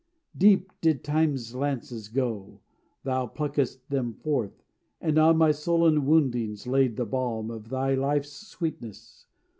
Deep did Time's lances go; thou pluck'st them forth, And on my sullen woundings laid the balm Of thy life's sweetness.